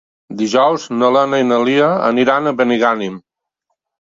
Dijous na Lena i na Lia aniran a Benigànim.